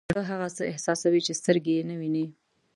زړه هغه څه احساسوي چې سترګې یې نه ویني.